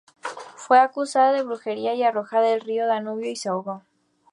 Fue acusada de brujería y arrojada al río Danubio y se ahogó.